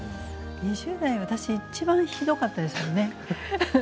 ２０代は私はいちばんひどかったですよね。